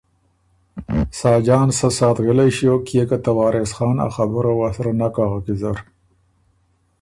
ساجان سۀ ساعت غِلئ ݭیوک کيې که ته وارث خان ا خبُره وه سرۀ نک اغک ویزر۔